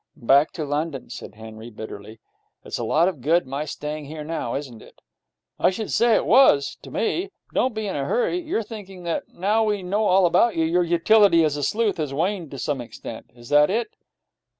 'Back to London,' said Henry, bitterly. 'It's a lot of good my staying here now, isn't it?' 'I should say it was to me. Don't be in a hurry. You're thinking that, now we know all about you, your utility as a sleuth has waned to some extent. Is that it?'